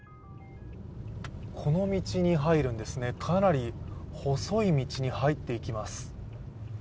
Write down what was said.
この道に入るんですね、かなり細い道に入っていきます。